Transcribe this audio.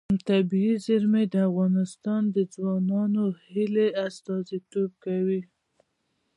طبیعي زیرمې د افغان ځوانانو د هیلو استازیتوب کوي.